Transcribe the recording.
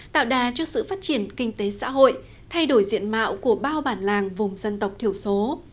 tạo đà cho sự phát triển kinh tế xã hội thay đổi diện mạo của bao bản làng vùng dân tộc thiểu số